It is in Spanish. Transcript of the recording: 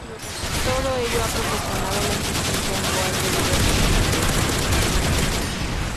Todo ello ha propiciado la existencia en Boal de diversas asociaciones y clubes deportivos.